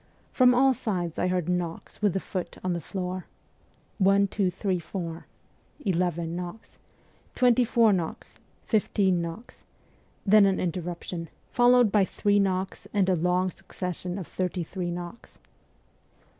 From all sides I heard knocks with the foot on the floor : one, two, three, four, .... eleven knocks ; twenty four knocks, fifteen knocks ; then an inter ruption, followed by three knocks and a long suc cession of thirty three knocks.